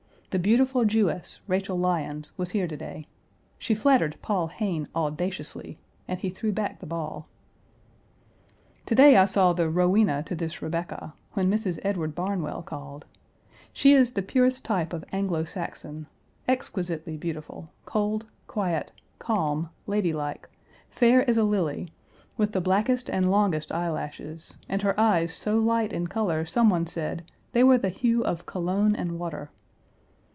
The beautiful Jewess, Rachel Lyons, was here to day. She flattered Paul Hayne audaciously, and he threw back the ball. To day I saw the Rowena to this Rebecca, when Mrs. Edward Barnwell called. She is the purest type of Anglo Saxon exquisitely beautiful, cold, quiet, calm, lady like, fair as a lily, with the blackest and longest eyelashes, and her eyes so light in color some one said "they were the hue of cologne and water."